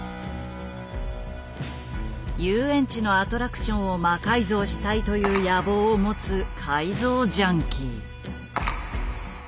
遊園地のアトラクションを魔改造したいという野望を持つ改造ジャンキー。